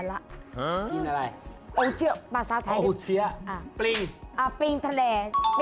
กินอะไรอูเชียปราสาทไทยปริงทะแหล